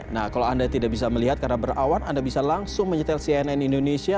nah kalau anda tidak bisa melihat karena berawan anda bisa langsung menyetel cnn indonesia